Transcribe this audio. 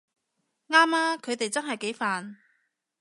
啱吖，佢哋真係幾煩